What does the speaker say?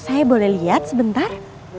saya boleh lihat sebentar